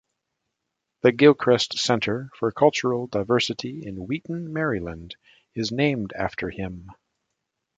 The Gilchrist Center for Cultural Diversity in Wheaton, Maryland is named after him.